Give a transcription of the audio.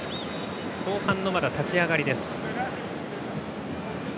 後半の立ち上がりです。